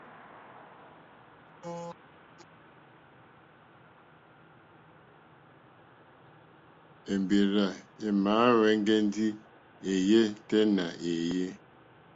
Èmbèrzà èmàáhwɛ̄ŋgɛ̄ ndí èéyɛ́ tɛ́ nà èéyé.